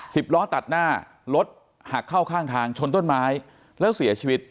สิบล้อตัดหน้ารถหักเข้าข้างทางชนต้นไม้แล้วเสียชีวิต